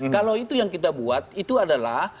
kalau kita buat itu adalah